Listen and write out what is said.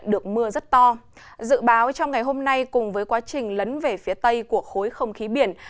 dự báo trong ngày hôm nay cùng với quá trình lấn về phía tây của khối không khí biển